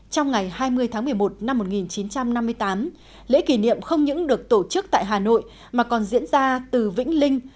trong ngày hai mươi tháng một mươi một năm một nghìn chín trăm năm mươi tám lễ kỷ niệm không những được tổ chức tại hà nội mà còn diễn ra từ vĩnh linh